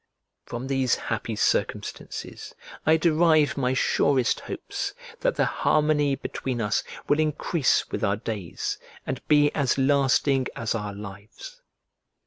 From these happy circumstances I derive my surest hopes, that the harmony between us will increase with our days, and be as lasting as our lives.